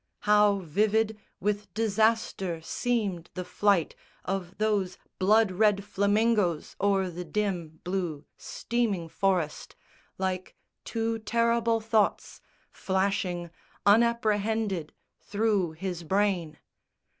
How vivid with disaster seemed the flight Of those blood red flamingoes o'er the dim Blue steaming forest, like two terrible thoughts Flashing, unapprehended, through his brain!